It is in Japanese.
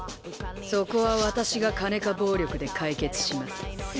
そこは私が金か暴力で解決します。